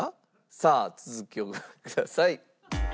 さあ続きをご覧ください。